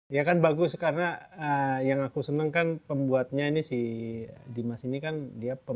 ini juga yang saya ingin kasih tau